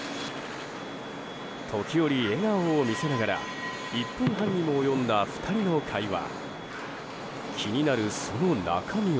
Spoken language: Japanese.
時折、笑顔を見せながら１分半にも及んだ２人の会話。